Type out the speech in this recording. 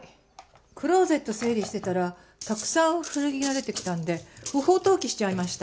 クローゼット整理してたらたくさん古着が出てきたんで不法投棄しちゃいました。